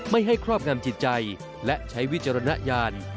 ไม่ให้ครอบงำจิตใจและใช้วิจารณญาณ